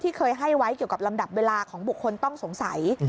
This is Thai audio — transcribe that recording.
เคยให้ไว้เกี่ยวกับลำดับเวลาของบุคคลต้องสงสัย